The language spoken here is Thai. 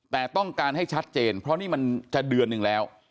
แต่ต้องการให้ชัดเจนเพราะนี่มันจะเดือนหนึ่งแล้ว